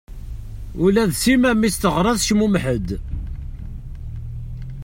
Ula d Sima mi i teɣra tecmumeḥ-d.